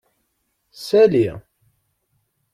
Sali.